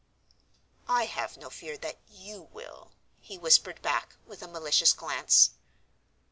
"I have no fear that you will," he whispered back, with a malicious glance.